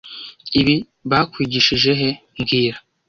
Ibi bakwigishije he mbwira